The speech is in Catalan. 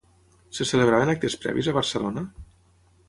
Es celebraran actes previs a Barcelona?